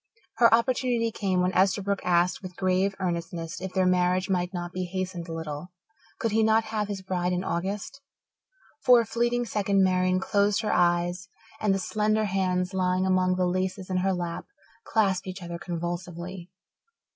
Her opportunity came when Esterbrook asked with grave earnestness if their marriage might not be hastened a little could he not have his bride in August? For a fleeting second Marian closed her eyes and the slender hands, lying among the laces in her lap, clasped each other convulsively.